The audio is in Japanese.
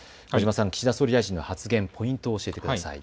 岸田総理大臣の発言、ポイントを教えてください。